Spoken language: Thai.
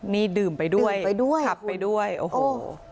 นี่ดื่มไปด้วยขับไปด้วยโอ้โห